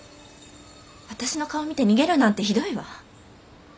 私の顔見て逃げるなんてひどいわ。